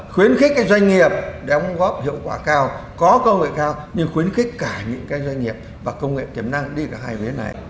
khuyến khích các doanh nghiệp để ông góp hiệu quả cao có công nghệ cao nhưng khuyến khích cả những doanh nghiệp và công nghệ tiềm năng đi cả hai vế này